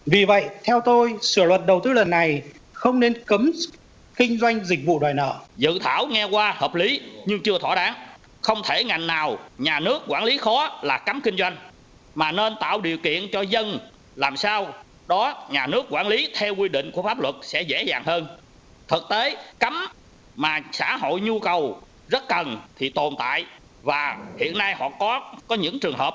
vì vậy theo tôi sửa luật đầu tư lần này không nên cấm kinh doanh dịch vụ đòi nợ